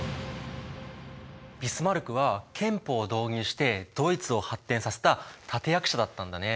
ビスマルクは憲法を導入してドイツを発展させた立て役者だったんだね。